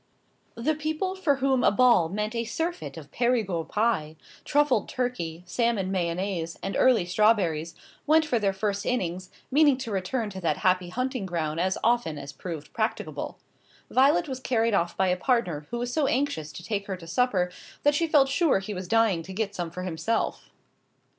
The people for whom a ball meant a surfeit of perigord pie, truffled turkey, salmon mayonnaise, and early strawberries, went for their first innings, meaning to return to that happy hunting ground as often as proved practicable. Violet was carried off by a partner who was so anxious to take her to supper that she felt sure he was dying to get some for himself.